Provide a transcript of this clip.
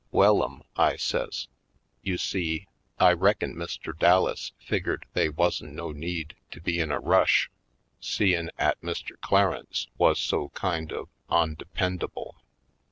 "Wellum," I says, "you see, I reckin Mr. Dallas figgered they wuzn' no need to be in a rush seein' 'at Mr. Clarence wuz so kind of ondependable.